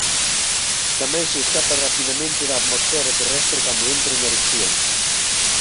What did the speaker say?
Tamén se escapa rapidamente da atmosfera terrestre cando entra en erupción.